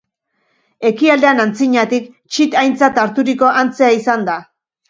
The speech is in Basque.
Ekialdean antzinatik txit aintzat harturiko antzea izan da.